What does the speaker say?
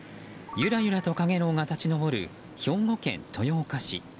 ゆらゆらと陽炎が立ち上る兵庫県豊岡市。